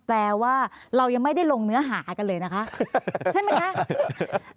แปลว่าเรายังไม่ได้ลงเนื้อหากันเลยนะคะใช่ไหมคะ